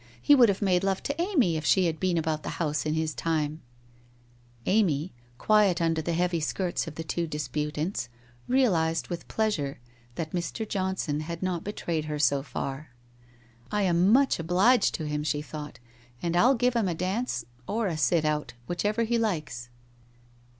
He would have made love to Amy, if she had been about the house in his time/ Amy, quiet under the heavy skirts of the two dis putants, realized, with pleasure, that Mr. Johnson had not betrayed her so far. ' I am much obliged to him/ she thought, ' and I'll give him a dance or a sit out, which ever he likes.'